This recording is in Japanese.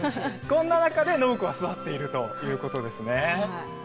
そんな中で暢子は育っているということですね。